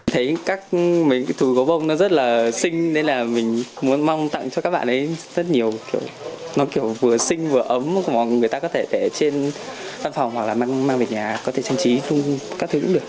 thấy các mấy thú gấu bông nó rất là xinh nên là mình muốn mong tặng cho các bạn ấy rất nhiều kiểu nó kiểu vừa xinh vừa ấm mà người ta có thể để trên căn phòng hoặc là mang về nhà có thể trang trí các thứ cũng được